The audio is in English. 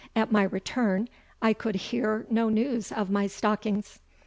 At my returne, I could heare no news of my stockins.